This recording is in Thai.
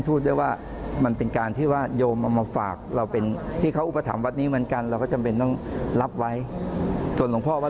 ทางนะีอำเภอปากท่อท่านก็บอกว่า